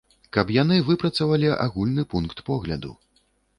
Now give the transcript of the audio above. Каб яны выпрацавалі агульны пункт погляду.